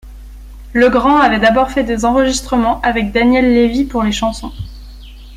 Legrand avait d'abord fait des enregistrements avec Daniel Lévi pour les chansons.